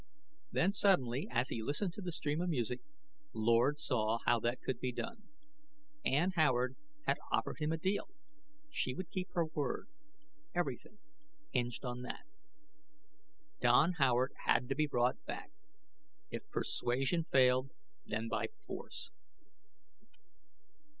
Then suddenly, as he listened to the music of the stream, Lord saw how that could be done. Ann Howard had offered him a deal; she would keep her word. Everything hinged on that. Don Howard had to be brought back if persuasion failed, then by force.